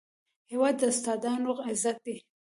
هېواد د استادانو عزت دی.